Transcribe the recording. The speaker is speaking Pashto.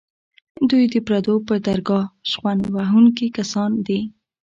دوی د پردو پر درګاه شخوند وهونکي کسان دي.